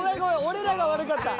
俺らが悪かった。